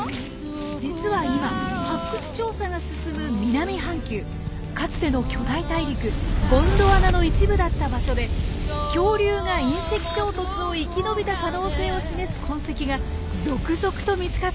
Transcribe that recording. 実は今発掘調査が進む南半球かつての巨大大陸ゴンドワナの一部だった場所で恐竜が隕石衝突を生き延びた可能性を示す痕跡が続々と見つかっているんですよ。